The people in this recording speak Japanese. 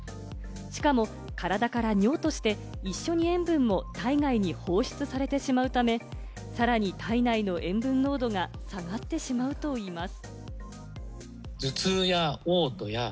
しかも体から尿として一緒に塩分も体外に放出されてしまうため、さらに体内の塩分濃度が下がってしまうといいます。